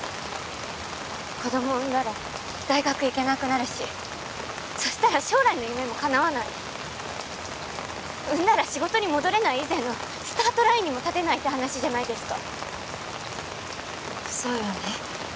子供を産んだら大学行けなくなるしそしたら将来の夢もかなわない産んだら仕事に戻れない以前のスタートラインにも立てないって話じゃないですかそうよね